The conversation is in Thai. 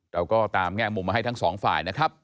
เราก็ตามแง่มุมมาให้ทั้งสองฝ่ายนะครับ